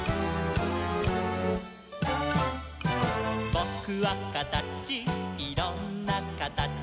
「ぼくはかたちいろんなかたち」